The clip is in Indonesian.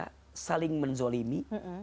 kepada saling menzolimi